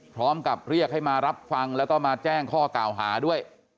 พร้อมกับเรียกให้มารับฟังแล้วก็มาแจ้งข้อกล่าวหาด้วย